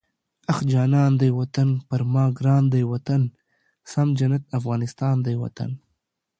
اخ جانان دی وطن، پر ما ګران دی وطن، سم جنت افغانستان دی وطن